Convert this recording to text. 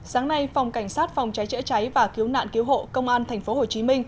sáng nay phòng cảnh sát phòng cháy chữa cháy và cứu nạn cứu hộ công an tp hcm